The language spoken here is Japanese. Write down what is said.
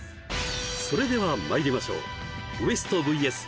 それではまいりましょうＷＥＳＴＶＳ